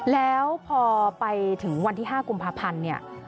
แล้วพอไปถึงวันที่๕กุมภาพันธ์เนี่ย